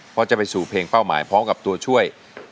เพราะจะไปสู่เพลงเป้าหมายพร้อมกับตัวช่วย